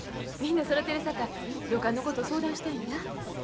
みんなそろてるさかい旅館のこと相談したいんや。